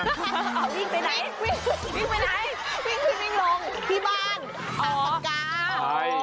อ๋อวิ่งไปไหนวิ่งไปไหน